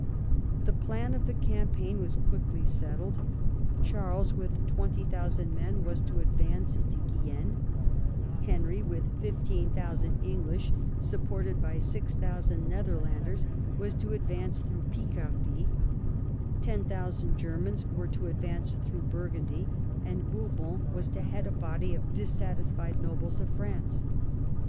The plan of the campaign was quickly settled. Charles, with 20,000 men, was to advance intoOuienne ; Henry, with 15,000 English, supported by 6000 Nether landers, was to advance through Picardy; 10,000 Grermans were to advance through Burgundy; and Bourbon was to head a body of dissatisfied nobles of France.